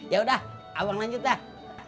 ya udah abang lanjut dah